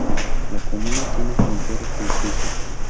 La comuna tienen frontera con Suiza.